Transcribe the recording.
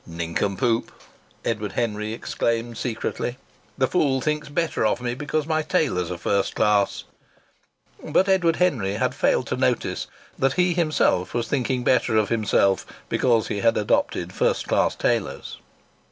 "Nincompoop!" Edward Henry exclaimed secretly. "The fool thinks better of me because my tailors are first class." But Edward Henry had failed to notice that he himself was thinking better of himself because he had adopted first class tailors.